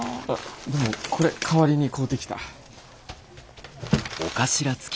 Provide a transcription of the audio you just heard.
あっでもこれ代わりに買うてきた。